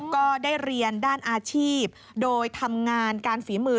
ก็ได้เรียนด้านอาชีพโดยทำงานการฝีมือ